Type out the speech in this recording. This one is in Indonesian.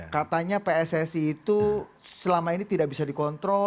katanya pssi itu selama ini tidak bisa dikontrol